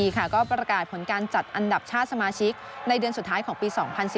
ก็ประกาศผลการจัดอันดับชาติสมาชิกในเดือนสุดท้ายของปี๒๐๑๙